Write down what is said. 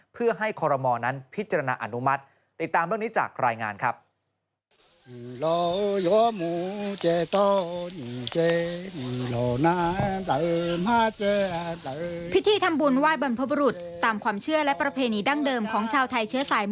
เพื่อให้ครมนั้นพิจารณาอนุมัติ